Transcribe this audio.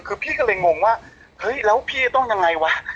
คือพี่ก็เลยงงว่าเฮ้ยแล้วพี่จะต้องยังไงวะ